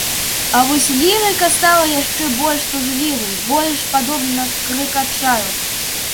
А вось лірыка стала яшчэ больш тужлівай, больш падобнай на крык адчаю.